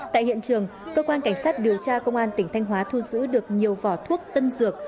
tại hiện trường cơ quan cảnh sát điều tra công an tỉnh thanh hóa thu giữ được nhiều vỏ thuốc tân dược